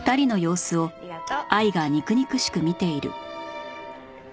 ありがとう。